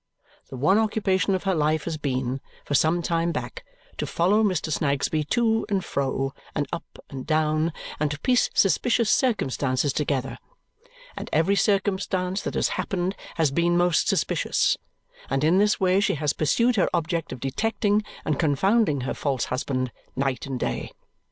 The one occupation of her life has been, for some time back, to follow Mr. Snagsby to and fro, and up and down, and to piece suspicious circumstances together and every circumstance that has happened has been most suspicious; and in this way she has pursued her object of detecting and confounding her false husband, night and day.